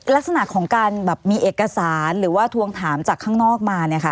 ลักษณะของการแบบมีเอกสารหรือว่าทวงถามจากข้างนอกมาเนี่ยค่ะ